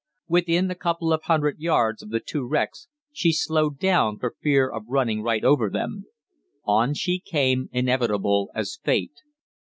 Within a couple of hundred yards of the two wrecks she slowed down, for fear of running right over them. On she came, inevitable as Fate.